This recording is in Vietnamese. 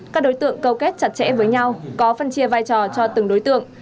các đối tượng câu kết chặt chẽ với nhau có phân chia vai trò cho từng đối tượng